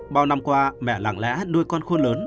bao năm qua mẹ lặng lẽ nuôi con khôn lớn